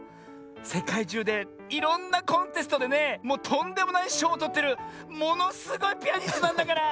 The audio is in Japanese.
せかいじゅうでいろんなコンテストでねもうとんでもないしょうをとってるものすごいピアニストなんだから！